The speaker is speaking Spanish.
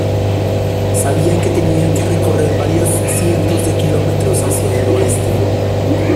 Sabían que tenían que recorrer varios cientos de kilómetros hacia el oeste.